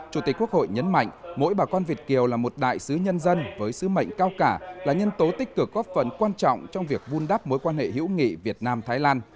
chủ tịch quốc hội nhấn mạnh mỗi bà con việt kiều là một đại sứ nhân dân với sứ mệnh cao cả là nhân tố tích cực góp phần quan trọng trong việc vun đắp mối quan hệ hữu nghị việt nam thái lan